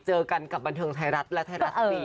เจอกันกับบันเทิงไทยรัฐและไทยรัฐทีวี